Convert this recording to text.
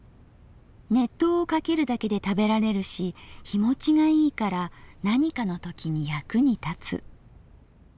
熱湯をかけるだけで食べられるし日保ちがいいから何かのときに役に立つ」。